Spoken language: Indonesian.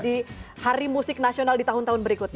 di hari musik nasional di tahun tahun berikutnya